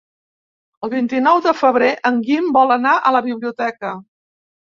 El vint-i-nou de febrer en Guim vol anar a la biblioteca.